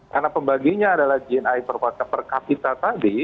karena pembagiannya adalah gni per kapita tadi